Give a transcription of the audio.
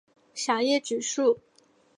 小叶榉树